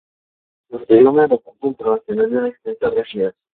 Posee un aeropuerto internacional y una extensa red vial.